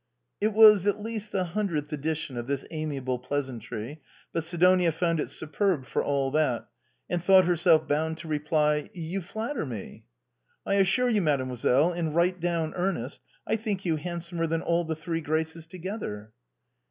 " It was at least the hundredth edition of this amiable pleasantry, but Sidonia found it superb for all that, and thought herself bound to reply :" You flatter me." " I assure you, mademoiselle, in right down earnest, I think you handsomer than all the Three Graces together.'"